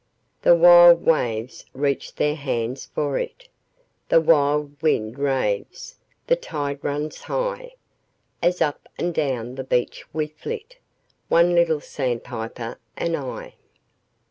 The wild waves reach their hands for it, The wild wind raves, the tide runs high, As up and down the beach we flit, One little sandpiper and I.